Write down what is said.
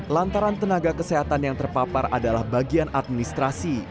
lantaran tenaga kesehatan yang terpapar adalah bagian administrasi